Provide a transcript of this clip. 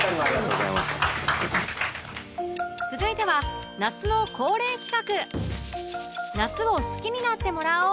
続いては夏の恒例企画